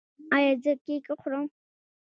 ایا زه کیک وخورم؟